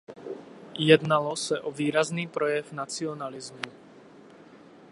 Jednalo se o výrazný projev nacionalismu.